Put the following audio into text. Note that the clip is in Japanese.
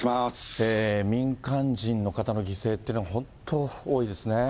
民間人の方の犠牲っていうのは、本当多いですね。